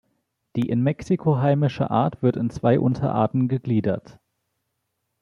Die in Mexiko heimische Art wird in zwei Unterarten gegliedert.